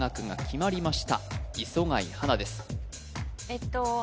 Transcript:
えっと